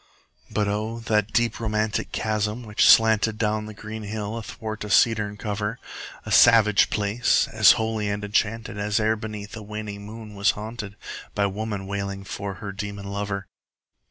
But O, that deep romantic chasm which slanted Down the green hill athwart a cedarn cover! A savage place! as holy and enchanted As e'er beneath a waning moon was haunted 15 By woman wailing for her demon lover!